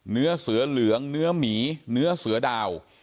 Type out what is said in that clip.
เนื้อเสือเหลืองเนื้อหมีเนื้อเสือดาว